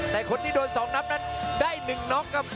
แต่คนทีโดนสองนับเนี่ยได้หนึ่งน็อกครับ